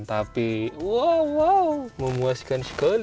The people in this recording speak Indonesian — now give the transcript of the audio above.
tapi wow memuaskan sekali